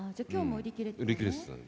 売り切れてたの。